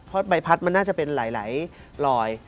เพราะใบพัดมันน่าจะเป็นหลายรอย